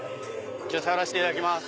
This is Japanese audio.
触らせていただきます。